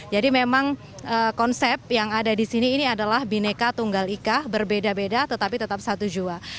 jadi memang konsep yang ada di sini ini adalah bineka tunggal ika berbeda beda tetapi tetap satu jawa